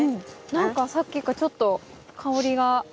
何かさっきからちょっと香りが。